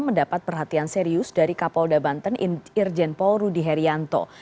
mendapat perhatian serius dari kapolda banten irjen paul rudi herianto